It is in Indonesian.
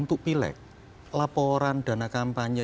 di pilek laporan dana kampanye